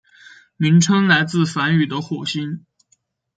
名称来自于梵语的火星。